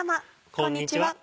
こんにちは。